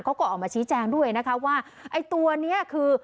เขาก็ออกมาชี้แจงด้วยนะคะว่าไอ้ตัวนี้คือ